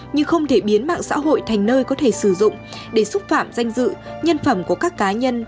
như không thể biến mạng xã hội thành nơi có thể sử dụng để xúc phạm danh dự nhân phẩm của các cá nhân